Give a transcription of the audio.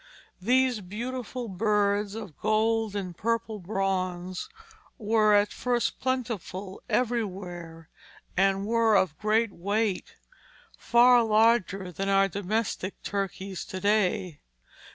These beautiful birds of gold and purple bronze were at first plentiful everywhere, and were of great weight, far larger than our domestic turkeys to day.